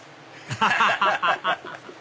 アハハハ！